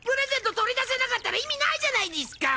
取り出せなかったら意味ないじゃないですか！